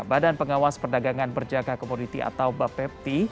badan pengawas perdagangan berjaga komoditi atau bapepti